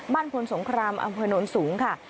บ้านพลสงครามอำเภนนรสูงค่ะ